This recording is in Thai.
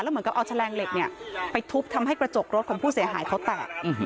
เหมือนกับเอาแฉลงเหล็กเนี่ยไปทุบทำให้กระจกรถของผู้เสียหายเขาแตก